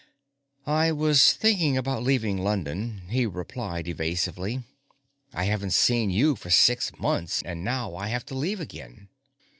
I was thinking about leaving London, he replied evasively. _I haven't seen you for six months, and now I have to leave again.